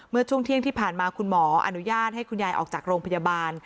เมื่อช่วงเที่ยงที่ผ่านมาคุณหมออนุญาตให้คุณยายออกจากโรงพยาบาล